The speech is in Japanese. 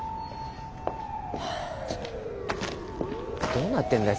どうなってんだよ